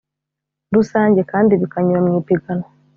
Rusange kandi bikanyura mu ipiganwa